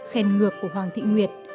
khen ngược của hoàng thị nguyệt